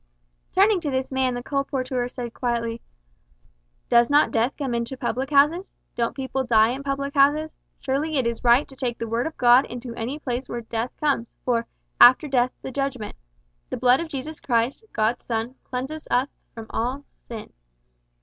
Turning to this man the colporteur said quietly, "Does not death come into public houses? Don't people die in public houses? Surely it is right to take the Word of God into any place where death comes, for `after death the judgment.' `The blood of Jesus Christ, God's Son, cleanseth us from all sin.'"